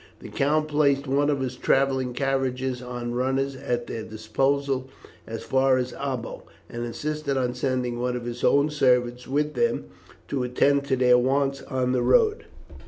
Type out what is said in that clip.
The count placed one of his travelling carriages on runners at their disposal as far as Abo, and insisted on sending one of his own servants with them to attend to their wants on the road.